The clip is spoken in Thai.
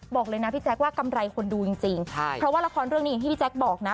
บอกเลยนะพี่แจ๊คว่ากำไรคนดูจริงจริงใช่เพราะว่าละครเรื่องนี้อย่างที่พี่แจ๊คบอกนะ